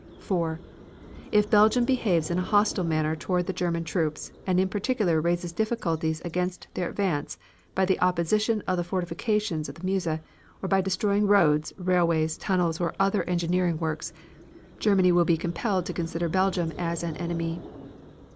4. If Belgium behaves in a hostile manner toward the German troops, and in particular raises difficulties against their advance by the opposition of the fortifications of the Meuse, or by destroying roads, railways, tunnels, or other engineering works, Germany will be compelled to consider Belgium as an enemy.